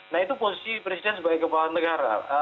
nah itu posisi presiden sebagai kepala negara